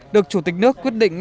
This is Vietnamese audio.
được chủ tịch nước quyết định